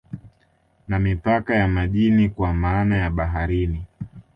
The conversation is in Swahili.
Na mipaka ya majini kwa maana ya baharini